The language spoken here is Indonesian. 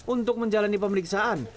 untuk menjalani pemeriksaan